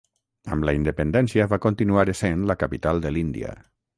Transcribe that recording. Amb la independència va continuar essent la capital de l'Índia.